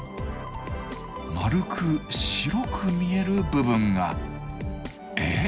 円く白く見える部分が！え？